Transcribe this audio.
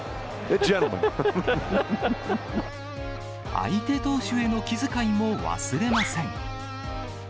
相手投手への気遣いも忘れません。